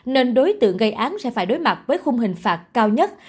nên đối tượng gây án sẽ phải đối mặt với khung hình phạt cao nhất